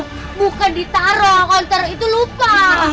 oh bukan ditaro kalau ditaro itu lupa